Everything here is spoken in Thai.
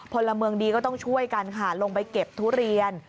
พลเมืองดีก็ต้องช่วยกันค่ะลงไปเก็บทุเรียน